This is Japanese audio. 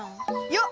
よっ！